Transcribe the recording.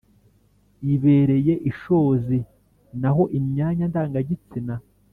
« ibireye ishozi »;n a ho imyanya ndanga-gitsina